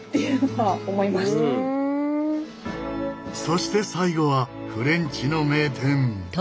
そして最後はフレンチの名店。